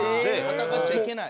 戦っちゃいけない。